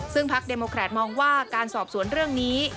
ซึ่งพักเดโมแครตมองว่าการสอบสวนเรื่องนี้